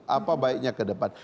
apa baiknya ke depan